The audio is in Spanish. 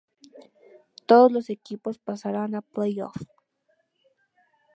Todos los equipos pasaran a play off.